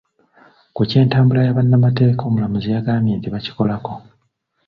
Ku ky'entambula ya bannamateeka omulamuzi yagambye nti bakikolako.